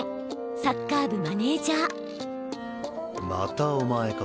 サッカー部マネージャーまたお前か。